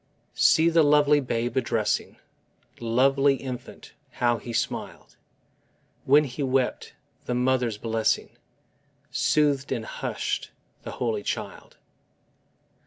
See the lovely babe a dressing; Lovely infant, how He smiled! When He wept, the mother's blessing Soothed and hush'd the holy child.